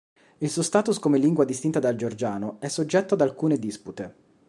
Il suo status come lingua distinta dal georgiano è soggetto ad alcune dispute.